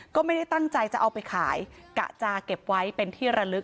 ก็ไม่ได้ตั้งใจจะเอาไปขายกะจาเก็บไว้เป็นที่ระลึก